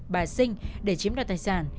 bà sinh để chiếm được tài sản